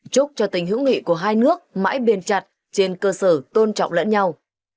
chúc cho tình hữu nghị của hai nước mãi bền chặt trên cơ sở tôn trọng lẫn nhau